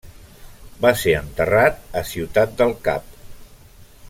Va ser enterrat a Ciutat del Cap.